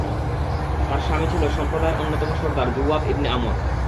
তার স্বামী ছিল সম্প্রদায়ের অন্যতম সর্দার যুওয়াব ইবন আমর।